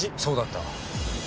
そうだった。